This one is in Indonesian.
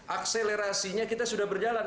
akselerasinya kita sudah berjalan